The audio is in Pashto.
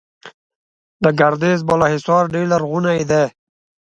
د ګردیز بالاحصار ډیر لرغونی دی